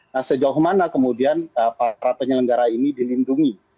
nah sejauh mana kemudian para penyelenggara ini dilindungi